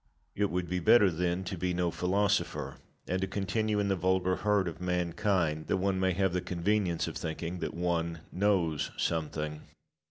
Locke. It would be better, then, to be no philosopher, and to continue in the vulgar herd of mankind, that one may have the convenience of thinking that one knows something.